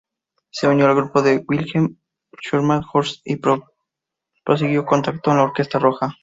Se unió al grupo de Wilhelm Schürmann-Horster y prosiguió contactos con la Orquesta Roja.